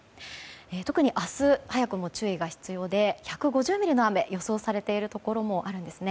特に明日、早くも注意が必要で１５０ミリの雨が予想されているところもあるんですね。